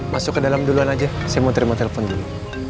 masuk ke dalam duluan aja saya mau terima telepon dulu